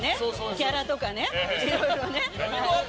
ギャラとかね、いろいろね。